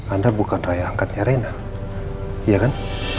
anda bukan raya angkatnya rena iya kan